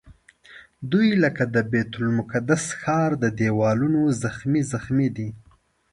دوی لکه د بیت المقدس ښار د دیوالونو زخمي زخمي دي.